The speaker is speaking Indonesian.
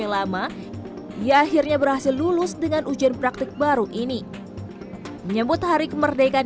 lama ia akhirnya berhasil lulus dengan ujian praktik baru ini menyebut hari kemerdekaan